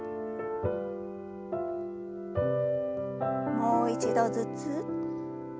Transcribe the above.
もう一度ずつ。